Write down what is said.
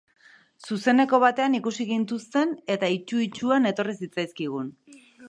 Zuzeneko batean ikusi gintuzten eta itsu-itsuan etorri zitzaizkigun.